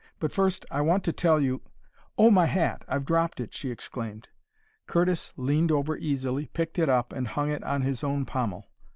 But first, I want to tell you " "Oh, my hat! I've dropped it!" she exclaimed. Curtis leaned over easily, picked it up, and hung it on his own pommel.